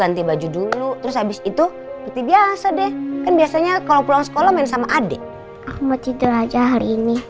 aku mau tidur aja hari ini